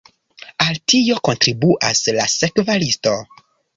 Al tio kontribuas la sekva listo.